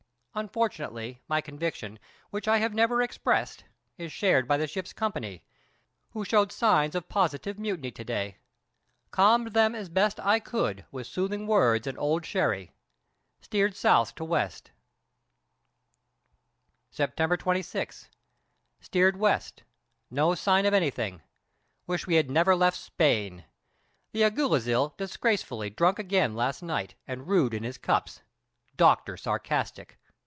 Unfortunately, my conviction, which I have never expressed, is shared by the ship's company, who showed signs of positive mutiny to day. Calmed them as best I could with soothing words and old sherry. Steered S. to W. September 26. Steered W. No sign of anything. Wish we had never left Spain. The Alguazil disgracefully drunk again last night, and rude in his cups. Doctor sarcastic.